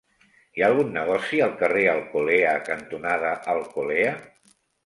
Hi ha algun negoci al carrer Alcolea cantonada Alcolea?